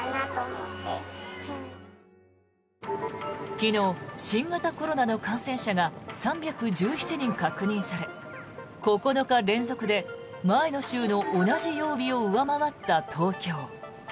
昨日、新型コロナの感染者が３１７人確認され９日連続で前の週の同じ曜日を上回った東京。